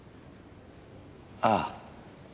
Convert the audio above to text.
ああ。